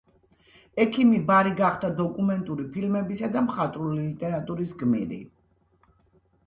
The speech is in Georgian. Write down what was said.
ექიმი ბარი გახდა დოკუმენტური ფილმებისა და მხატვრული ლიტერატურის გმირი.